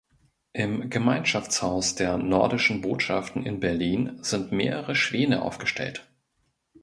Im Gemeinschaftshaus der Nordischen Botschaften in Berlin sind mehrere Schwäne aufgestellt.